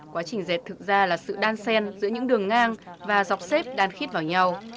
quá trình dệt thực ra là sự đan sen giữa những đường ngang và dọc xếp đan khít vào nhau